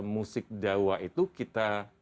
musik jawa itu kita